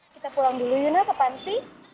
kita pulang dulu yuna ke panti